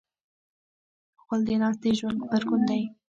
غول د ناستې ژوند غبرګون دی.